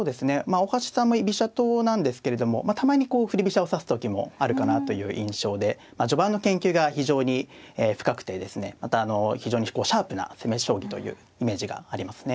大橋さんも居飛車党なんですけれどもたまにこう振り飛車を指す時もあるかなという印象で序盤の研究が非常に深くてですねまた非常にシャープな攻め将棋というイメージがありますね。